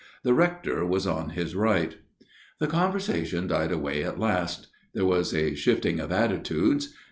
The Rector was on his right. The conversation died away at last ; there was a shifting of attitudes.